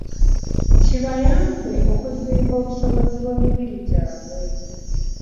Kibayambe okuzimba obusobozi bw'emibiri gyabwe.